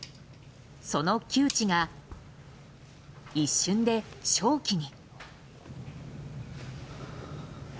その窮地が、一瞬で勝機に。